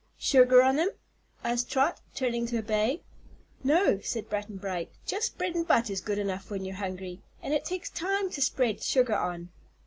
"Sugar on 'em?" asked Trot, turning to obey. "No," said Button Bright, "just bread an' butter's good enough when you're hungry, and it takes time to spread sugar on."